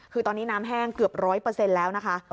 คือตอนนี้น้ำแห้งเกือบ๑๐๐แล้วนะคะ